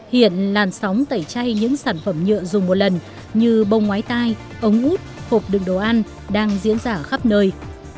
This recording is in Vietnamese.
hiện làn sóng tẩy chay những sản phẩm nhựa dùng một lần như bông ngoái tai ống út hộp đựng đồ ăn đang diễn ra khắp nơi